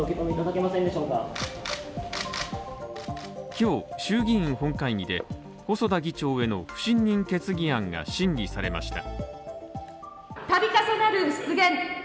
今日、衆議院本会議で細田議長への不信任決議案が審議されました。